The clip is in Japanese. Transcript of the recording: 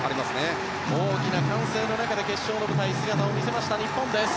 大きな歓声の中で決勝の舞台姿を見せました、日本です。